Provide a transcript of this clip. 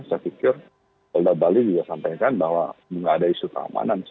saya pikir polda bali juga sampaikan bahwa tidak ada isu keamanan